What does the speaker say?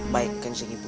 baik kanjeng ibu